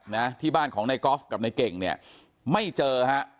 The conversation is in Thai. นะที่บ้านของนายกอล์ฟกับในเก่งเนี่ยไม่เจอฮะ